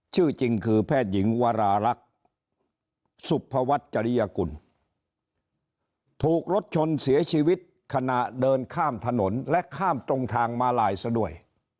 ชื่อจริงคือแพทย์หญิงวารารักษ์สุภวัฒน์จริยกุลถูกรถชนเสียชีวิตขณะเดินข้ามถนนและข้ามตรงทางมาลายซะด้วย